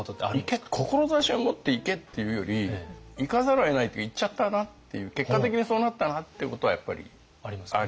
いけ志を持っていけ！っていうよりいかざるをえないといっちゃったなっていう結果的にそうなったなっていうことはやっぱりありますよね。